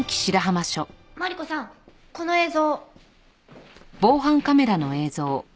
マリコさんこの映像。